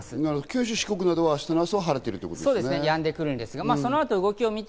九州、四国などは明日の朝は晴れているということですね。